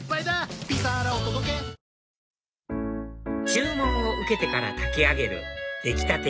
注文を受けてから炊き上げる出来たて